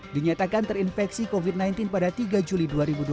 dinyatakan terinfeksi covid sembilan belas pada tiga juli dua ribu dua puluh